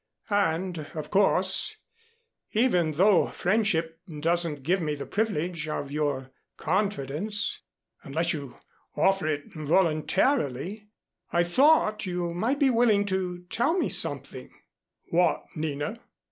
"And, of course, even though friendship doesn't give me the privilege of your confidence unless you offer it voluntarily, I thought you might be willing to tell me something " "What, Nina?"